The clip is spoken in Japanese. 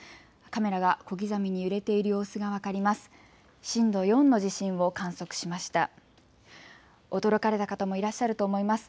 カメラが小刻みに揺れている様子が分かります。